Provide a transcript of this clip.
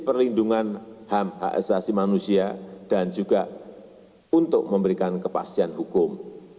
perlindungan ham dan juga untuk memberikan kepastian hukum